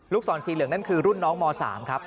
ศรสีเหลืองนั่นคือรุ่นน้องม๓ครับ